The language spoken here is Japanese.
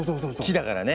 木だからね。